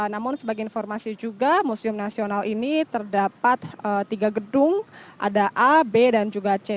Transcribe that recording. namun sebagai informasi juga museum nasional ini terdapat tiga gedung ada a b dan juga c